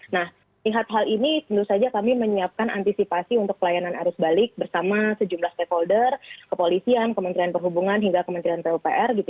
nah lihat hal ini tentu saja kami menyiapkan antisipasi untuk pelayanan arus balik bersama sejumlah stakeholder kepolisian kementerian perhubungan hingga kementerian pupr